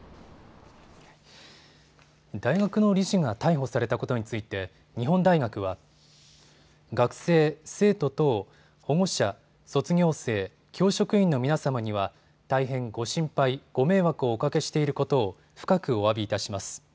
大学の理事が逮捕されたことについて日本大学は学生、生徒等、保護者、卒業生、教職員の皆様には大変ご心配、ご迷惑をおかけしていることを深くおわびいたします。